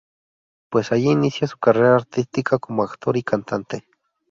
Pues allí inicia su carrera artística como actor y cantante.